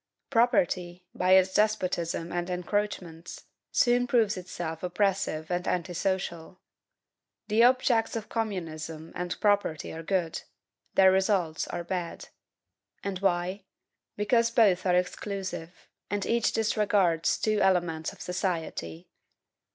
Property, by its despotism and encroachments, soon proves itself oppressive and anti social. The objects of communism and property are good their results are bad. And why? Because both are exclusive, and each disregards two elements of society.